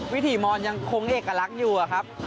วิถีมอนยังคงเอกลักษณ์อยู่อะครับ